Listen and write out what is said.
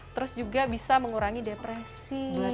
terus juga bisa mengurangi depresi